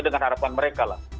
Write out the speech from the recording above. dengan harapan mereka lah